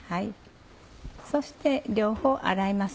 そして両方洗います